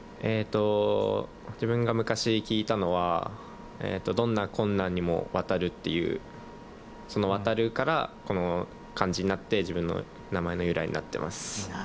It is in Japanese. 自分が昔、聞いたのはどんな困難にもわたるというそのわたるからこの漢字になって自分の名前の由来になってます。